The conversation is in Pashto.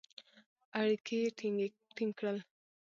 اړیکي یې ټینګ کړل.